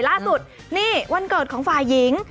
ล่าสุดนี่วันเกิดของฝ่ายหญิง